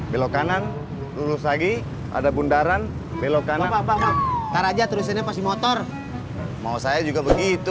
belok kanan lulus lagi ada bundaran belok kanan tara aja terusinnya pasti motor mau saya juga begitu